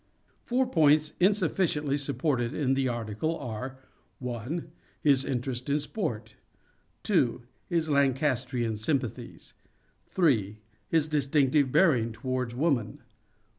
Four points insufficiently supported in the article Re are :— points. 1. His interest in sport. 2. His Lancastrian sympathies. 3. His distinctive bearing towards woman.